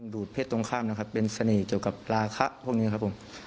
ดูดเพศตรงข้ามนะครับเป็นเสน่ห์เกี่ยวกับลาคะพวกนี้ครับผม